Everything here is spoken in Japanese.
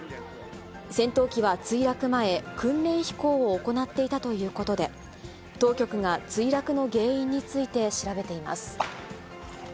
戦闘機は墜落前、訓練飛行を行っていたということで、当局が墜落の原因について調べています。